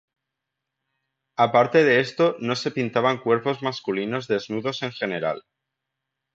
Aparte de esto no se pintaban cuerpos masculinos desnudos en general.